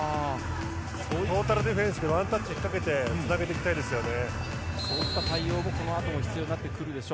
トータルディフェンスでワンタッチかけてつなげていきたいですね。